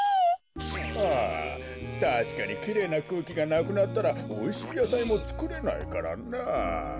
ああたしかにきれいなくうきがなくなったらおいしいやさいもつくれないからなあ。